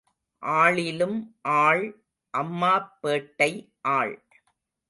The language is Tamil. ஆளிலும் ஆள் அம்மாப் பேட்டை ஆள்.